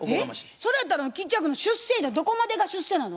それやったら吉弥君の出世ゆうのはどこまでが出世なの？